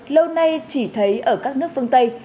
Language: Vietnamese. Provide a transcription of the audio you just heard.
lâu nay chỉ thấy ở các nước phương tây